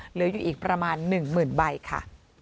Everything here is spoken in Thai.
เหลืออยู่อีกประมาณ๑๐๐๐ใบค่ะ